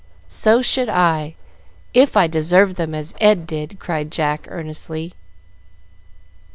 "So should I, if I deserved them as Ed did!" cried Jack, earnestly.